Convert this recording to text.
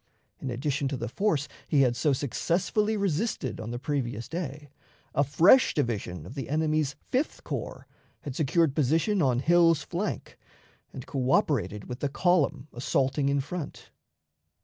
In addition to the force he had so successfully resisted on the previous day, a fresh division of the enemy's Fifth Corps had secured position on Hill's flank, and coöperated with the column assaulting in front.